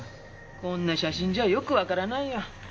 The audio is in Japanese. こんな写真じゃよくわからないや。